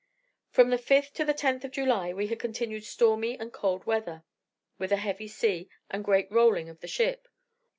From the 5th to the 10th of July, we had continued stormy and cold weather, with a heavy sea, and great rolling of the ship.